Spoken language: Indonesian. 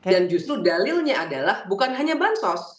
dan justru dalilnya adalah bukan semua bansos